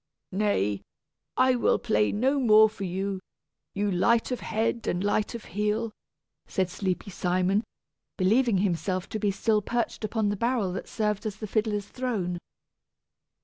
"Nay, I will play no more for you, you light of head and light of heel," said sleepy Simon, believing himself to be still perched upon the barrel that served as the fiddler's throne.